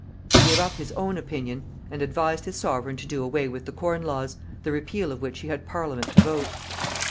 He gave up his own opinion and advised his Sovereign to do away with the Corn Laws, the repeal of which he had Parliament to vote.